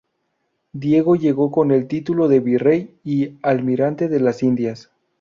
Diego llegó con el título de virrey y almirante de las Indias.